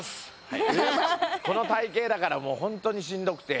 この体型だからもう本当にしんどくて。